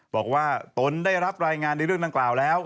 ตนได้รับรายงานในเรื่องดังกล่าวแล้ว